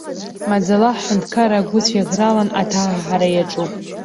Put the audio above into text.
Маӡала ҳҳәынҭқарра агәыцә иаӷралан, аҭаҳаҳара иаҿуп.